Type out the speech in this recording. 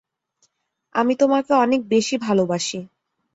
আমি তোমাকে অনেক বেশী ভালোবাসি।